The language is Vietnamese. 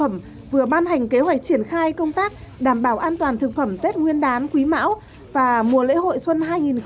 tết nguyên đán thực phẩm vừa ban hành kế hoạch triển khai công tác đảm bảo an toàn thực phẩm tết nguyên đán quý mão và mùa lễ hội xuân hai nghìn hai mươi ba